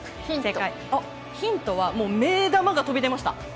ヒントは、目玉が飛び出ました。